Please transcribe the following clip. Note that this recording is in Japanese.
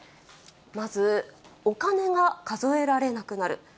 まず、お金が数えられなくなる。